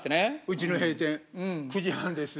「うちの閉店９時半です」